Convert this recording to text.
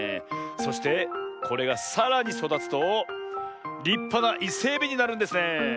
そしてこれがさらにそだつとりっぱなイセエビになるんですねえ。